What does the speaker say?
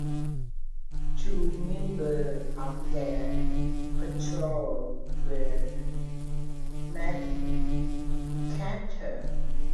Two members of the patrol were captured.